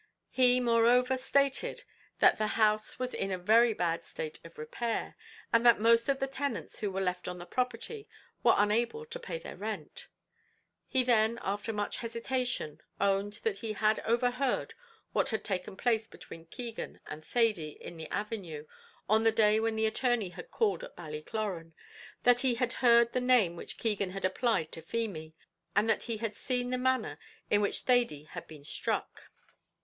He, moreover, stated that the house was in a very bad state of repair, and that most of the tenants who were left on the property were unable to pay their rent. He then, after much hesitation, owned that he had overheard what had taken place between Keegan and Thady in the avenue, on the day when the attorney had called at Ballycloran that he had heard the name which Keegan had applied to Feemy, and that he had seen the manner in which Thady had been struck.